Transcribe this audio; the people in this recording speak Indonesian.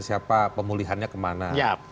siapa pemulihannya kemana